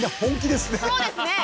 そうですね。